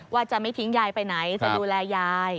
ว่าจะไม่ทิ้งยายไปไหนจะดูแลยาย